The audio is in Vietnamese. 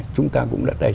chúng ta cũng đã đẩy